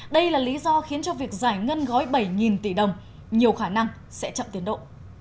đây là lý do khiến cho việc giải ngân gói bảy tỷ đồng nhiều khả năng sẽ chậm tiến độ